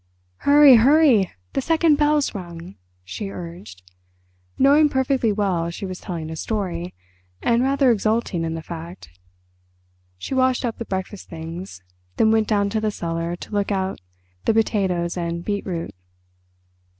"Hurry, hurry! the second bell's rung," she urged, knowing perfectly well she was telling a story, and rather exulting in the fact. She washed up the breakfast things, then went down to the cellar to look out the potatoes and beetroot.